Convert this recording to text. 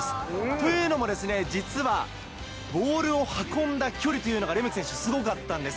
というのも、実はボールを運んだ距離というのがレメキ選手、すごかったんです。